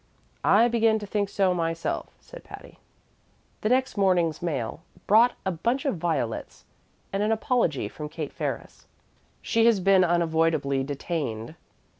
"I begin to think so myself," said Patty. The next morning's mail brought a bunch of violets and an apology from Kate Ferris. "She had been unavoidably detained."